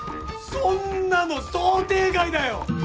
そんなの想定外だよ！